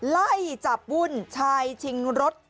ไล่จับวุ่นชายชิงรถ